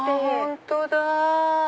本当だ！